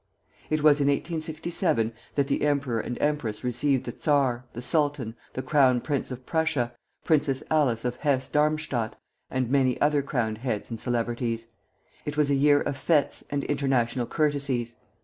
It was in 1867 that the emperor and empress received the czar, the sultan, the Crown Prince of Prussia, Princess Alice of Hesse Darmstadt, and many other crowned heads and celebrities. It was a year of fêtes and international courtesies.